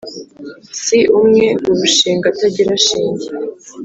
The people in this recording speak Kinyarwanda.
si umwe urushinga atagira shinge